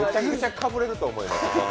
かぶれると思います。